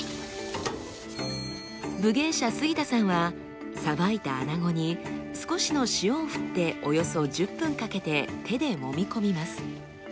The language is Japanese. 武芸者杉田さんは捌いたアナゴに少しの塩を振っておよそ１０分かけて手で揉み込みます。